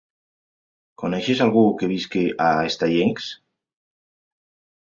Coneixes algú que visqui a Estellencs?